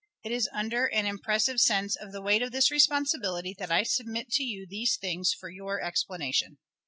It is under an impressive sense of the weight of this responsibility that I submit to you these things for your explanation.